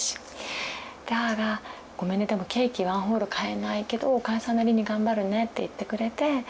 で母が「ごめんねでもケーキワンホール買えないけどお母さんなりに頑張るね」って言ってくれて。